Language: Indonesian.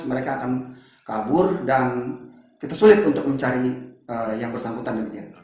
mereka akan kabur dan kita sulit untuk mencari yang bersangkutan di dunia